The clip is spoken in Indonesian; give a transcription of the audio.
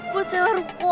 buat sewa ruko